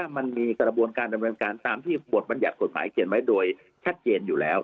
มันมีกระบวนการดำเนินการตามที่บทบรรยัติกฎหมายเขียนไว้โดยชัดเจนอยู่แล้ว